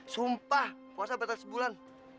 sumpah puasa batas sebulan